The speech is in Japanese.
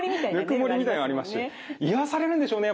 ぬくもりみたいのありますし癒やされるんでしょうね